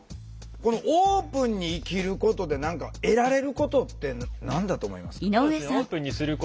このオープンに生きることで何か得られることって何だと思いますか？